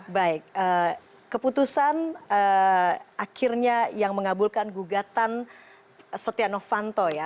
baik keputusan akhirnya yang mengabulkan gugatan setia novanto ya